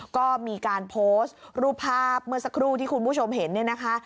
ก็มีการโพสต์รูปภาพเมื่อสักครู่ที่คุณผู้ชมเห็นเนี่ยนะคะ